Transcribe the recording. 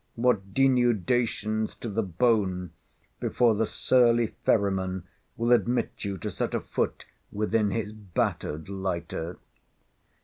what denudations to the bone, before the surly Ferryman will admit you to set a foot within his battered lighter!